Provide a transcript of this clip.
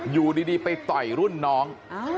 อยู่ดีไปต่อยรุ่นน้อง